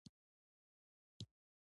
اوس هغه وخت دی چې ولس